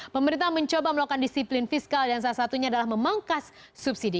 pemerintah mencoba melakukan disiplin fiskal dan salah satunya adalah memangkas subsidi